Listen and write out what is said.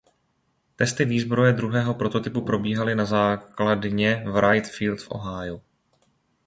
Testy výzbroje druhého prototypu probíhaly na základně Wright Field v Ohiu.